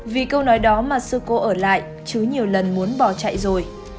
vì câu nói đó mà sư cô ở lại chứ nhiều lần muốn bỏ chạy rồi